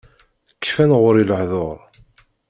Kfan ɣur-i lehdur.